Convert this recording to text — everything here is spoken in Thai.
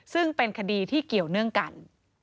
ซึ่งเป็นคดีที่เกี่ยวเนื่องกัน